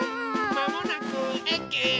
まもなくえき。